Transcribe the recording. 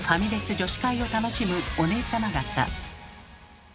女子会を楽しむおねえさま方。